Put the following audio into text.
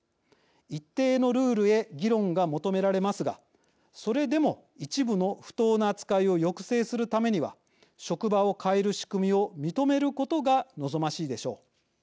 一定のルールへ議論が求められますがそれでも一部の不当な扱いを抑制するためには職場を変える仕組みを認めることが望ましいでしょう。